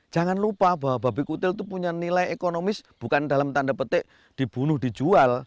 jangan lupa bahwa babi kutil itu punya nilai ekonomis bukan dalam tanda petik dibunuh dijual